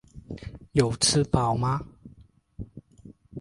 有吃饱吗？